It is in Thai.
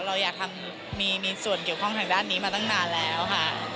เราอยากมีส่วนเกี่ยวข้องทางด้านนี้มาตั้งนานแล้วค่ะ